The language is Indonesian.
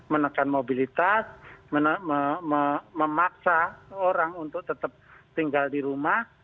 menekan mobilitas memaksa orang untuk tetap tinggal di rumah